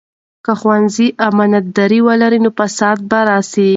که ښوونځي کې امانتداري ولري، نو فساد به راسي.